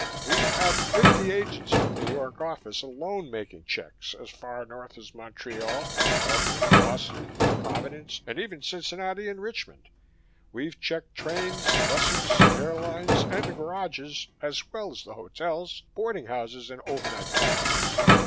"We've had fifty agents from the New York office alone making checks, as far north as Montreal, in Portland, Boston, Providence, and even Cincinnati and Richmond. We've checked trains, buses, airlines and the garages, as well as the hotels, boarding houses and overnight cabins.